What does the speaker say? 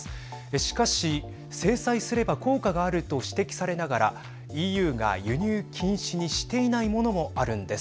しかし制裁すれば効果があると指摘されながらＥＵが輸入禁止にしていないものもあるんです。